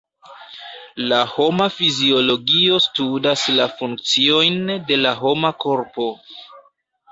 La homa fiziologio studas la funkciojn de la homa korpo.